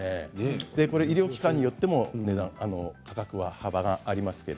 医療機関によっても価格の幅があります。